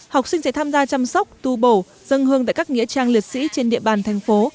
học sinh sẽ tham gia chăm sóc tu bổ dân hương tại các nghĩa trang liệt sĩ trên địa bàn thành phố